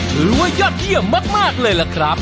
ถือว่ายอดเยี่ยมมากเลยล่ะครับ